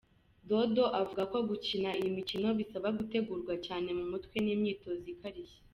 Dodo avuga ko gukina iyi mikino bisaba gutegurwa cyane mu mutwe n’imyitozo ikarishye.